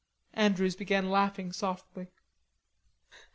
Andrews began laughing softly.